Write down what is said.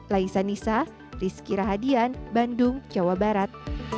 laisa nisa rizky rahadian bandung jawa barat